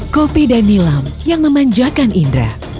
kopi dan nilam yang memanjakan indra